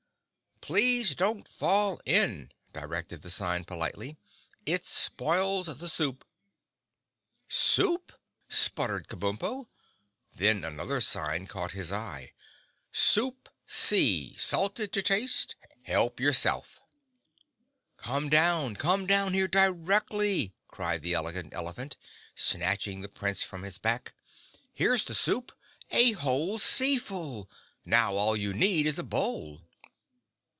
"Please Don't Fall In," directed the sign politely, "It Spoils The Soup." "Soup!" sputtered Kabumpo. Then another sign caught his eye: "Soup Sea—Salted To Taste—Help Yourself." "Come down—come down here directly!" cried the Elegant Elephant, snatching the Prince from his back. "Here's the soup—a whole sea full. Now all you need is a bowl."